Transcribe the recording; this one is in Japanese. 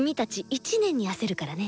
１年に焦るからね。